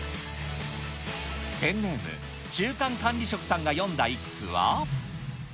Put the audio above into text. ペンネーム、中間管理職さんが詠んだ一句は。